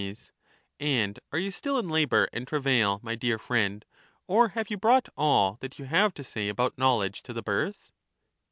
Sac, And are you still in labour and \travail, my dear friend, or have you brought all that you have~to"say about knowledge to the birth